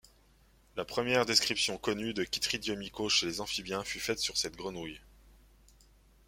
La première description connue de chytridiomycose chez les amphibiens fut faite sur cette grenouille.